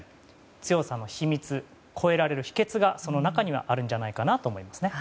強さの秘密、越えられる秘訣がその中にはあるんじゃないかなと思いますね。